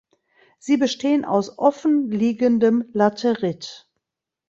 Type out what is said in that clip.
Sie bestehen aus offen liegendem Laterit.